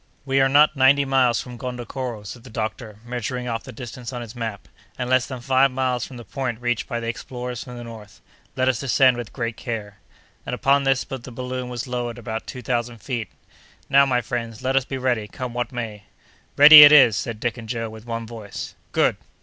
"We are not ninety miles from Gondokoro," said the doctor, measuring off the distance on his map, "and less than five miles from the point reached by the explorers from the north. Let us descend with great care." And, upon this, the balloon was lowered about two thousand feet. "Now, my friends, let us be ready, come what may." "Ready it is!" said Dick and Joe, with one voice. "Good!"